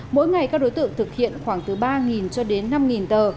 mỗi ngày các đối tượng thực hiện khoảng từ ba cho đến năm tờ